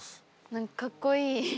何かかっこいい！